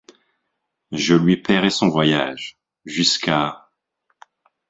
Je lui payerai son voyage... jusqu’à...